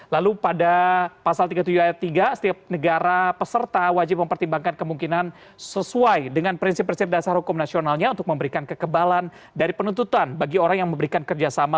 lalu pada pasal tiga puluh tujuh ayat tiga setiap negara peserta wajib mempertimbangkan kemungkinan sesuai dengan prinsip prinsip dasar hukum nasionalnya untuk memberikan kekebalan dari penuntutan bagi orang yang memberikan kerjasama